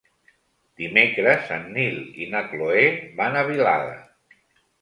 Dimecres en Nil i na Cloè van a Vilada.